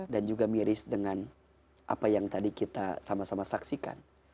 dan juga miris dengan apa yang tadi kita sama sama saksikan